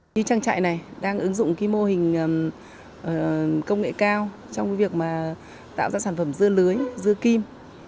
như trang trại này đang ứng dụng mô hình công nghệ cao trong việc tạo ra sản phẩm dưa lưới dưa kim